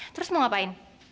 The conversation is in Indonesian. terus mau ngapain